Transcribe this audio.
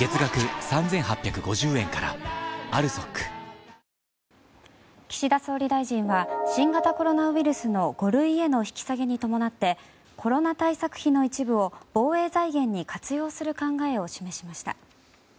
ただ、その感動というのを今度は氷の上で岸田総理大臣は新型コロナウイルスの五類への引き下げに伴ってコロナ対策費の一部を防衛財源に活用する考えを示しました。